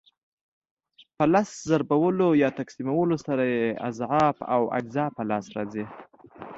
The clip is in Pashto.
په لس ضربولو یا تقسیمولو سره یې اضعاف او اجزا په لاس راځي.